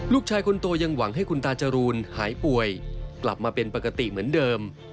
ลูกชายคนโตยังหวังให้คุณตาจรูนหายป่วยกลับมาเป็นปกติเหมือนเดิม